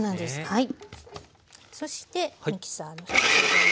はい。